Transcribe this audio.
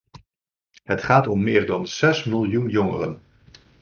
Het gaat om meer dan zes miljoen jongeren.